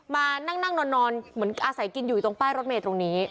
มานั่งนั่งนอนเหมือนอาศัยกินอยู่ตรงป้ายรถเมย์ตรงนี้